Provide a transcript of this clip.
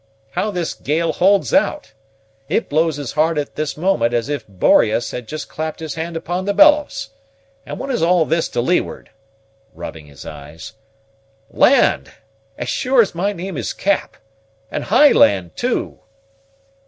How this gale holds out! It blows as hard at this moment as if Boreas had just clapped his hand upon the bellows. And what is all this to leeward?" (rubbing his eyes) "land! as sure as my name is Cap and high land, too."